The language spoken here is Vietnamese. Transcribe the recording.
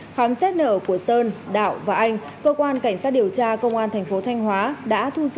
khám xét nợ của sơn đạo và anh cơ quan cảnh sát điều tra công an tp thanh hóa